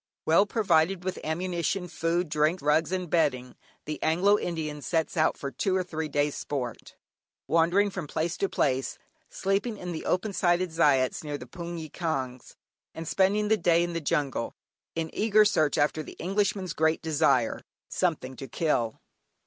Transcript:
Well provided with ammunition, food, drink, rugs, and bedding, the Anglo Indian sets out for two or three days sport, wandering from place to place, sleeping in the open sided "zayats," near the hpoongyi kyaungs, and spending the day in the jungle, in eager search after the Englishman's great desire "something to kill."